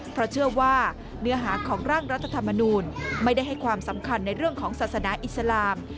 เพราะเชื่อว่าเนื้อหาของร่างรัฐธรรมนูลไม่ได้ให้ความสำคัญในเรื่องของศาสนาอิสลาม